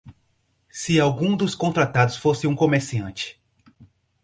Se algum dos contratados fosse um comerciante.